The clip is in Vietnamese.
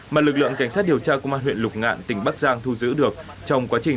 mà lực lượng cảnh sát điều tra công an huyện lục ngạn tỉnh bắc giang thu giữ được trong quá trình